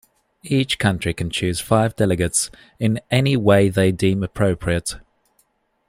Each country can choose five delegates in any way they deem appropriate.